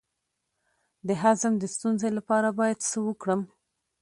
د هضم د ستونزې لپاره باید څه وکړم؟